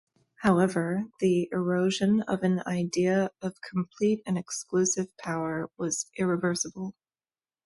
However, the erosion of an idea of complete and exclusive power was irreversible.